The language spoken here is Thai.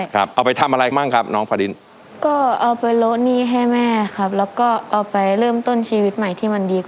ขอให้ได้ขอให้ได้ครับ๘หมื่นบาท